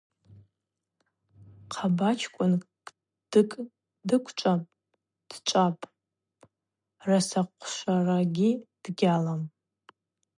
Хъабыжьчкӏвын кдыкӏ дыквчӏван дчӏвапӏ, расахъвшварагьи дгьалам.